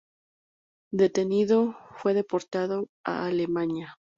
Detenido, fue deportado a Alemania.